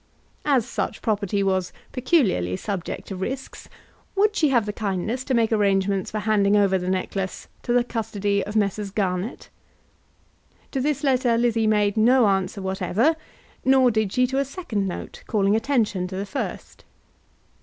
As such property was peculiarly subject to risks, would she have the kindness to make arrangements for handing over the necklace to the custody of the Messrs. Garnett? To this letter Lizzie made no answer whatever, nor did she to a second note, calling attention to the first.